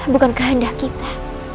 bukan kehanda kita